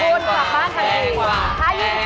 คุณกลับบ้านทันทีกว่า